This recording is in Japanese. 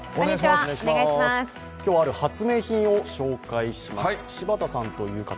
今日はある発明品を紹介します。